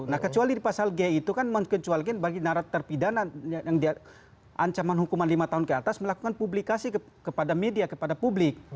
nah kecuali di pasal g itu kan mengecualikan bagi nara terpidana yang dia ancaman hukuman lima tahun ke atas melakukan publikasi kepada media kepada publik